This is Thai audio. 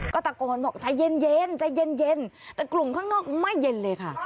ก็ตะโกนบอกใจเย็นใจเย็นแต่กลุ่มข้างนอกไม่เย็นเลยค่ะ